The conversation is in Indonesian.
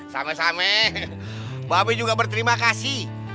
sama sama babe juga berterima kasih